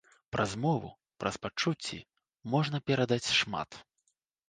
Праз мову, праз пачуцці можна перадаць шмат.